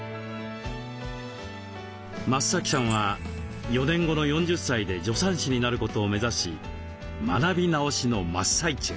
増さんは４年後の４０歳で助産師になることを目指し学び直しの真っ最中。